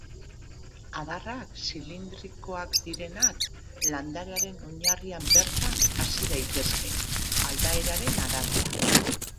Adarrak, zilindrikoak direnak, landarearen oinarrian bertan hasi daitezke, aldaeraren arabera.